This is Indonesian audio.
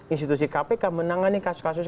institusi kpk menangani kasus kasus